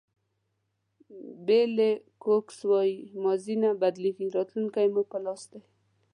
بېلي کوکس وایي ماضي نه بدلېږي راتلونکی مو په لاس دی.